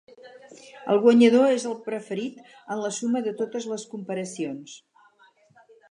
El guanyador és el preferit en la suma de totes les comparacions.